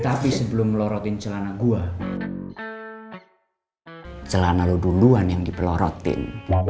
tapi sebelum melorotin celana gue celana lo duluan yang dipelorotin